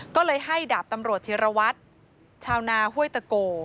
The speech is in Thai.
ก็เลยให้ดาบตำรวจชิรวัตรชาวนาห้วยตะโก